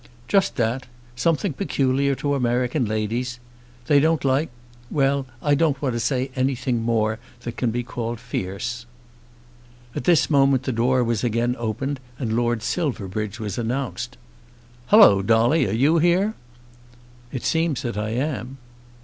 "Just that; something peculiar to American ladies. They don't like well; I don't want to say anything more that can be called fierce." At this moment the door was again opened and Lord Silverbridge was announced. "Halloa, Dolly, are you here?" "It seems that I am."